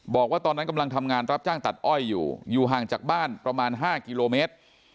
บอกว่าตอนนั้นกำลังทำงานรับจ้างตัดอ้อยอยู่อยู่ห่างจากบ้านประมาณ๕กิโลเมตร